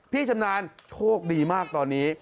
ชำนาญโชคดีมากตอนนี้